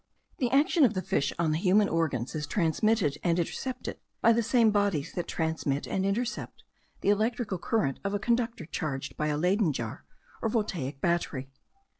The action of the fish on the human organs is transmitted and intercepted by the same bodies that transmit and intercept the electrical current of a conductor charged by a Leyden jar, or Voltaic battery.